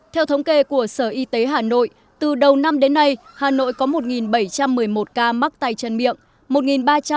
theo thống kê của sở y tế hà nội từ đầu năm đến nay hà nội có một bảy trăm một mươi một ca mắc tay chân miệng